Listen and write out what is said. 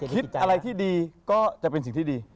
คิดอะไรที่ดีก็จะเป็นสิ่งที่ดี